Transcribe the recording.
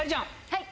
はい！